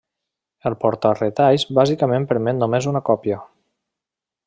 El porta-retalls bàsic permet només una còpia.